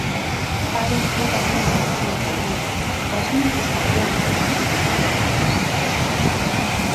Paren una única cría por vez, tras una gestación de más de cien días.